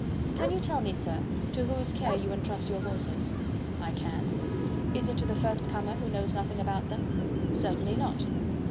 "Can you tell me, sir, to whose care you entrust your horses?" "I can." "Is it to the first comer, who knows nothing about them?" "Certainly not."